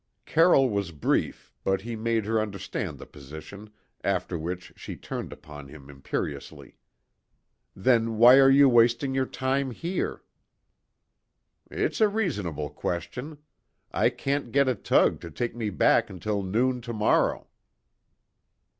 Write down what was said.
Carroll was brief, but he made her understand the position, after which she turned upon him imperiously. "Then why are you wasting your time here?" "It's a reasonable question. I can't get a tug to take me back until noon to morrow."